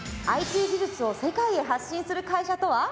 ＩＴ技術を世界へ発信する会社とは？